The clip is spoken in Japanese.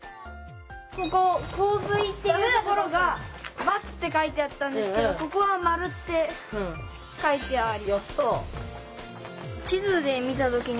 ここ「洪水」っていうところが「×」って書いてあったんですけどここは「○」って書いてある。